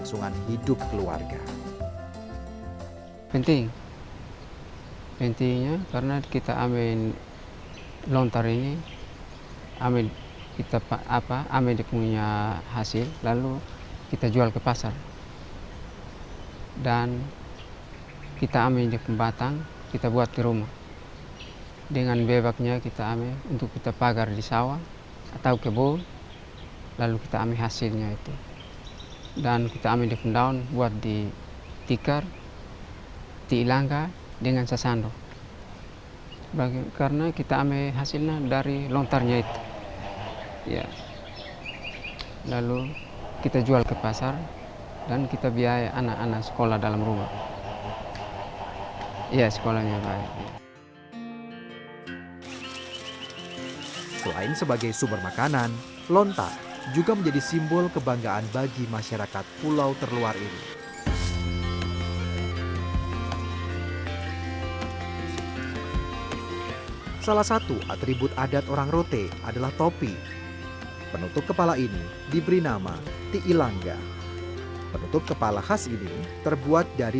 setelah itu senar ditancapkan pada baut dan dikencangkan hingga menghasilkan bunyi